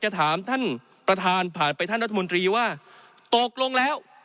จะถามท่านประธานผ่านไปท่านรัฐมนตรีว่าตกลงแล้ว